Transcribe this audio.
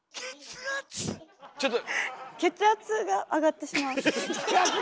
ちょっと。